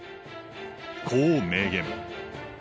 こう明言。